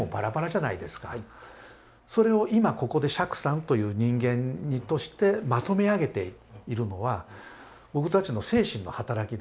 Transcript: それを今ここで釈さんという人間としてまとめ上げているのは僕たちの精神の働きですよね。